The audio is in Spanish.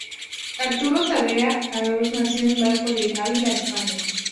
Arturo Tabera Araoz nació en Barco de Ávila, España.